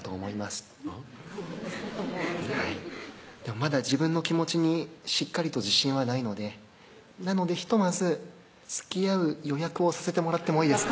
「まだ自分の気持ちにしっかりと自信はないのでなのでひとまずつきあう予約をさせてもらってもいいですか？」